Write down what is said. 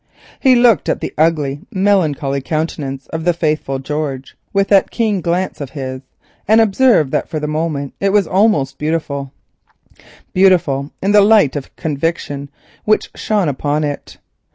He looked at the ugly melancholy countenance of the faithful George with that keen glance of his, and observed that for the moment it was almost beautiful—beautiful in the light of conviction which shone upon it.